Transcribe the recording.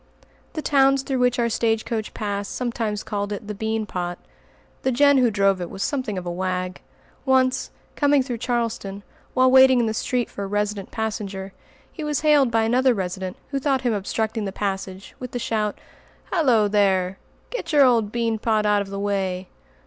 The towns through which our stage coach passed sometimes called it the "bean pot." The Jehn who drove it was something of a wag. Once, coming through Charlestown, while waiting in the street for a resident passenger, he was hailed by another resident who thought him obstructing the passage, with the shout, "Halloo there! Get your old bean pot out of the way!"